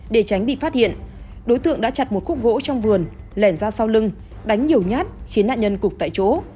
để tránh bị phát hiện đối tượng đã chặt một khúc gỗ trong vườn lẻn ra sau lưng đánh nhiều nhát khiến nạn nhân cục tại chỗ